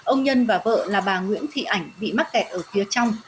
ông nhân và vợ là bà nguyễn thị ảnh bị mắc kẹt ở phía trong